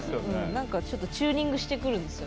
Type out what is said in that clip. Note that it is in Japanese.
ちょっとチューニングしてくるんですよ。